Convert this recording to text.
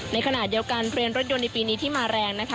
ในขณะเดียวกันเรือนรถยนต์ในปีนี้ที่มาแรงนะคะ